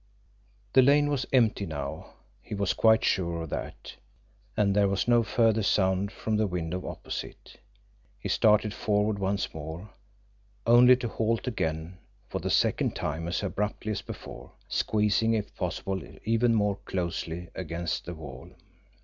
The lane was empty now, he was quite sure of that and there was no further sound from the window opposite. He started forward once more only to halt again for the second time as abruptly as before, squeezing if possible even more closely against the wall.